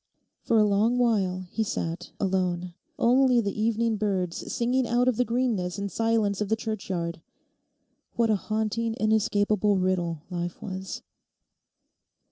For a long while he sat alone, only the evening birds singing out of the greenness and silence of the churchyard. What a haunting inescapable riddle life was.